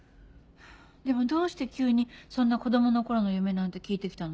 でもどうして急にそんな子供の頃の夢なんて聞いてきたの？